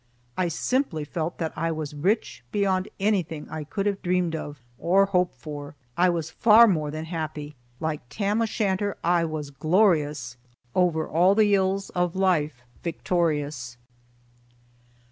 I simply felt that I was rich beyond anything I could have dreamed of or hoped for. I was far more than happy. Like Tam o' Shanter I was glorious, "O'er a' the ills o' life victorious."